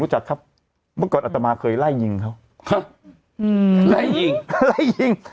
จัดครับเมื่อก่อนอัตมาเคยไล่ยิงเขาฮะอืมไล่ยิงไล่ยิง